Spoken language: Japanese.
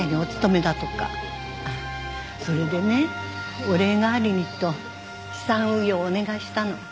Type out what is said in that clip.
それでねお礼代わりにと資産運用をお願いしたの。